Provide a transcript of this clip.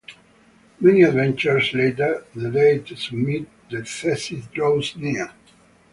Many adventures later, the day to submit the thesis draws near.